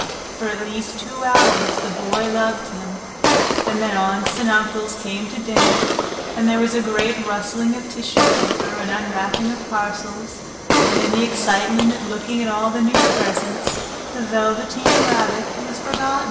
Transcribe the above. For at least two hours the Boy loved him, and then Aunts and Uncles came to dinner, and there was a great rustling of tissue paper and unwrapping of parcels, and in the excitement of looking at all the new presents the Velveteen Rabbit was forgotten.